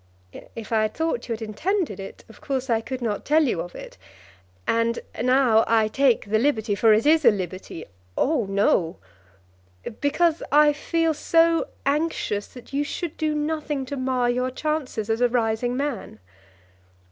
"If I had thought you had intended it, of course I could not tell you of it. And now I take the liberty; for it is a liberty " "Oh no." "Because I feel so anxious that you should do nothing to mar your chances as a rising man."